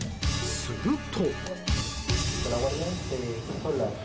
すると。